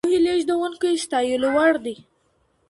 د پوهې لیږدونکي ستایلو وړ دي.